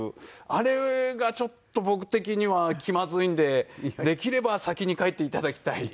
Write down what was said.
あれがちょっと僕的には気まずいんでできれば先に帰って頂きたい。